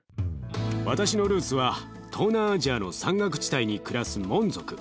私のルーツは東南アジアの山岳地帯に暮らすモン族。